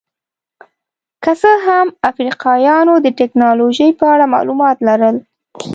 که څه هم افریقایانو د ټکنالوژۍ په اړه معلومات لرل.